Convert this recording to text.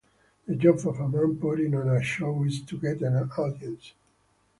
The job of a man putting on a show is to get an audience.